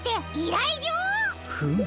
フム。